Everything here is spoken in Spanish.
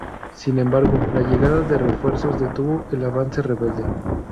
Sin embargo, la llegada de refuerzos detuvo el avance rebelde.